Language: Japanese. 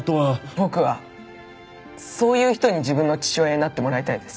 僕はそういう人に自分の父親になってもらいたいです。